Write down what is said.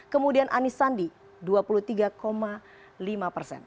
kemudian anisandi dua puluh tiga lima persen